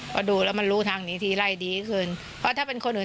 พอดูแล้วมันรู้ทางนี้ทีไล่ดีขึ้นเพราะถ้าเป็นคนอื่น